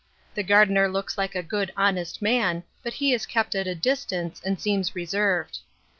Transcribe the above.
The gardener looks like a good honest man; but he is kept at a distance, and seems reserved.